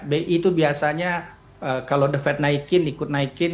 bi itu biasanya kalau the fed naikin ikut naikin